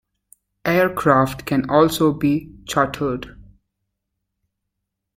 Aircraft can also be chartered.